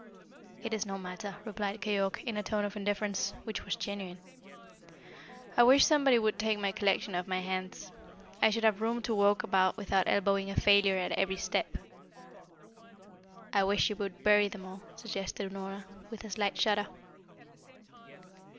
"It is no matter," replied Keyork in a tone of indifference which was genuine. "I wish somebody would take my collection off my hands. I should have room to walk about without elbowing a failure at every step." "I wish you would bury them all," suggested Unorna, with a slight shudder.